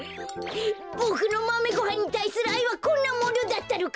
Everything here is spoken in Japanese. ボクのマメごはんにたいするあいはこんなものだったのか？